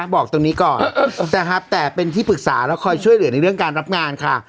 บอกตรงนี้ก่อนนะครับแต่เป็นที่ปรึกษาแล้วคอยช่วยเหลือในเรื่องการรับงานค่ะ